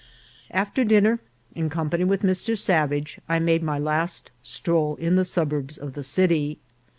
After dinner, in company with Mr. Savage, I made my last stroll in the suburbs of the city.